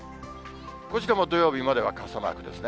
こちらも土曜日までは傘マークですね。